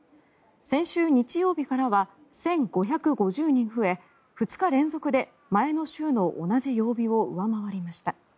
先週日曜日からは１５５０人増え２日連続で前の週の同じ曜日を上回りました。